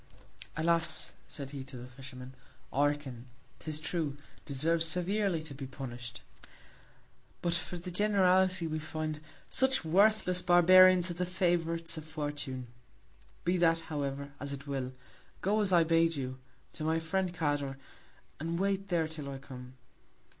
Alas! said he, to the Fisherman, Orcan, 'tis true, deserves severely to be punish'd: But for the Generality, we find, such worthless Barbarians are the Favourites of Fortune. Be that, however, as it will, go as I bade you, to my Friend Cador, and wait there till I come.